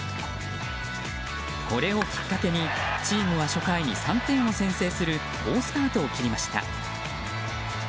これをきっかけにチームは初回に３点を先制する好スタートを切りました。